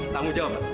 tanggung jawab mbak